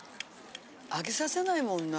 飽きさせないもんな。